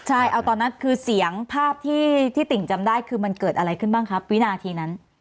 ใช่เอาตอนนั้นคือเสียงภาพที่ติ่งจำได้คือมันเกิดอะไรขึ้นบ้างครับวินาทีนั้น